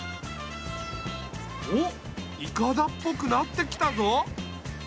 おっいかだっぽくなってきたぞ。